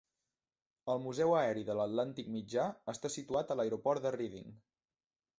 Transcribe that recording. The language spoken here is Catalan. El Museu Aeri de l'Atlàntic Mitjà està situat a l'aeroport de Reading.